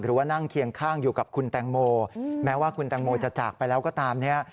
ว่านั่งเคียงข้างอยู่กับคุณแตงโมแม้ว่าคุณแตงโมจะจากไปแล้วก็ตามเนี่ย